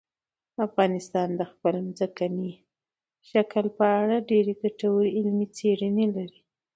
افغانستان د خپل ځمکني شکل په اړه ډېرې ګټورې علمي څېړنې لري.